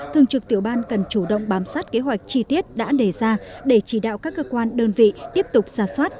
thường trực tiểu ban cần chủ động bám sát kế hoạch chi tiết đã đề ra để chỉ đạo các cơ quan đơn vị tiếp tục ra soát